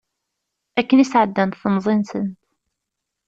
Akken i sɛeddant temẓi-nsent.